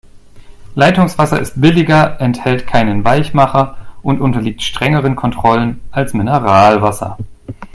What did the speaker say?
Leitungswasser ist billiger, enthält keinen Weichmacher und unterliegt strengeren Kontrollen als Mineralwasser.